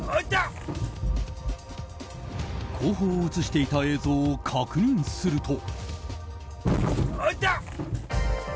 後方を映していた映像を確認すると。